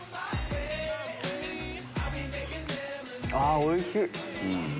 あおいしい！